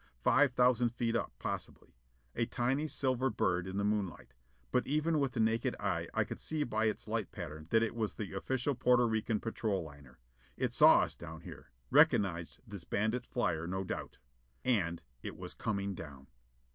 Five thousand feet up, possibly. A tiny silver bird in the moonlight: but even with the naked eye I could see by its light pattern that it was the official Porto Rican patrol liner. It saw us down here: recognized this bandit flyer, no doubt. And it was coming down!